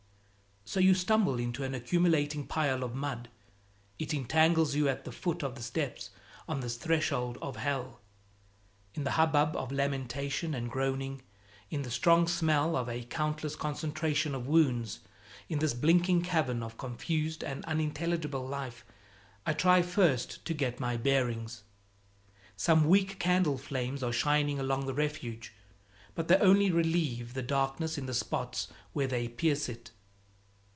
So you stumble into an accumulating pile of mud; it entangles you at the foot of the steps on this threshold of hell. In the hubbub of lamentation and groaning, in the strong smell of a countless concentration of wounds, in this blinking cavern of confused and unintelligible life, I try first to get my bearings. Some weak candle flames are shining along the Refuge, but they only relieve the darkness in the spots where they pierce it.